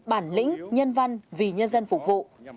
bản lĩnh nhân văn vì nhân dân phục vụ